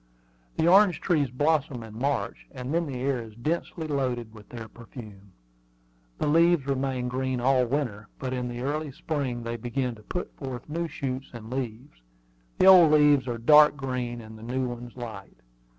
The orange trees blossom in March; and then the air is densely loaded with their perfume. The leaves remain green all winter; but in the early spring they begin to put forth new shoots and leaves. The old leaves are dark green, and the new ones light.